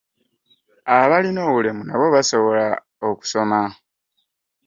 Abalina obulemu nabo basobola okusoma.